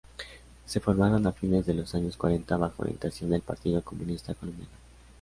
Se formaron a fines de los años cuarenta bajo orientaciones del partido comunista colombiano.